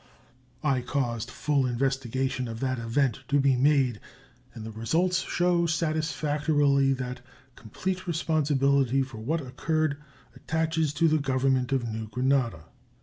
I caused full investigation of that event to be made, and the result shows satisfactorily that complete responsibility for what occurred attaches to the Government of New Granada.